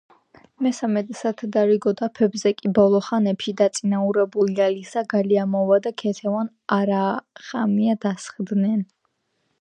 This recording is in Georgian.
მესამე და სათადარიგო დაფებზე კი ბოლო ხანებში დაწინაურებული ალისა გალიამოვა და ქეთევან არახამია დასხდნენ.